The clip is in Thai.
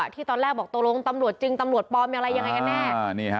ที่ตอนแรกบอกตกลงตำรวจจริงตำรวจปลอมอะไรยังไงกันแน่